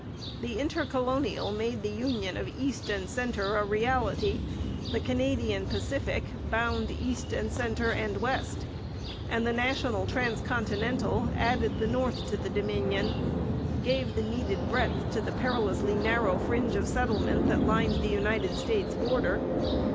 The Intercolonial made the union of east and centre a reality, the Canadian Pacific bound east and centre and west, and the National Transcontinental added the north to the Dominion, gave the needed breadth to the perilously narrow fringe of settlement that lined the United States border.